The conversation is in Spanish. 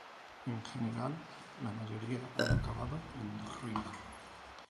En general, la mayoría han acabado en ruina.